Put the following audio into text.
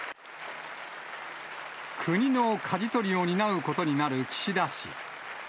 国のかじ取りを担うことになる岸田氏。